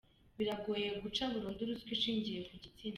Biragoye guca burundu ruswa ishingiye ku gitsina!.